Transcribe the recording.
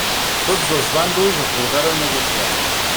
Tots dos bàndols acordaren negociar.